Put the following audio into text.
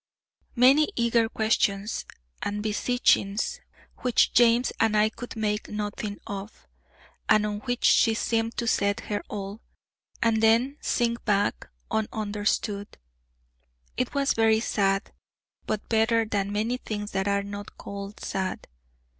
Many eager questions and beseechings which James and I could make nothing of, and on which she seemed to set her all, and then sink back ununderstood. It was very sad, but better than many things that are not called sad.